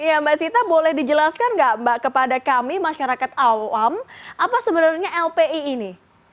iya mbak sita boleh dijelaskan nggak mbak kepada kami masyarakat awam apa sebenarnya lpi ini